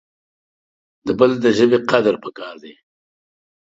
د بل دژبي قدر پکار د